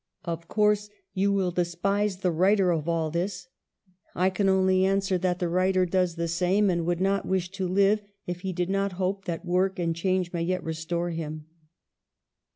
Of course you will despise the writer of all this. I can only answer that the writer does the same and would not wish to live, if he did not hope that work and change may yet restore him.